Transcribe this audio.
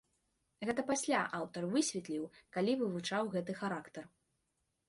Гэта пасля аўтар высветліў, калі вывучаў гэты характар.